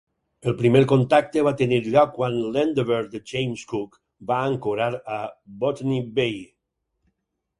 El primer contacte va tenir lloc quan l'Endeavour de James Cook va ancorar a Botany Bay.